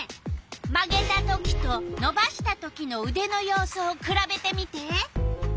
曲げたときとのばしたときのうでの様子をくらべてみて。